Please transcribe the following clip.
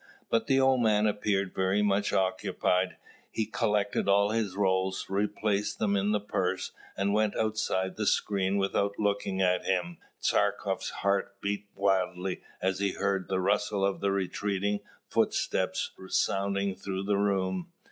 But the old man appeared very much occupied: he collected all his rolls, replaced them in the purse, and went outside the screen without looking at him. Tchartkoff's heart beat wildly as he heard the rustle of the retreating footsteps sounding through the room.